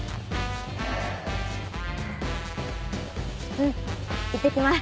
うんいってきます。